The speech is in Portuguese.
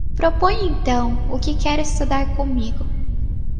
Proponha, então, o que quer estudar comigo.